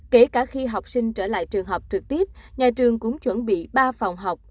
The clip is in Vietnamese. kể cả khi học sinh trở lại trường học trực tiếp nhà trường cũng chuẩn bị ba phòng học